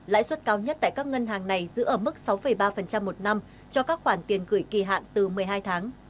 lãi suất cao nhất tại các ngân hàng này giữ ở mức sáu ba một năm cho các khoản tiền gửi kỳ hạn từ một mươi hai tháng